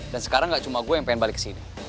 dan sekarang gak cuma gue yang pengen balik kesini